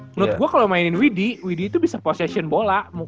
menurut gue kalau mainin widi widhi itu bisa possession bola